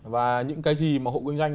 và những cái gì mà hộ kinh doanh